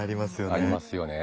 ありますよね。